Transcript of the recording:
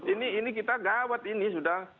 ini kita gawat ini sudah